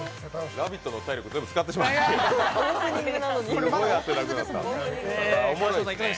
「ラヴィット！」の体力全部使ってしまったんじゃ。